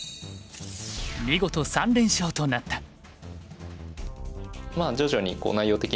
見事３連勝となった。